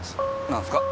何すか？